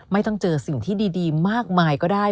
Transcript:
ไม่ต้องเจอสิ่งที่ดีมากมายก็ได้